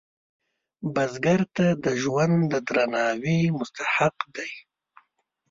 بزګر ته د ژوند د درناوي مستحق دی